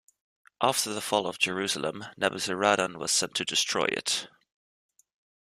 After the fall of Jerusalem, Nebuzaradan was sent to destroy it.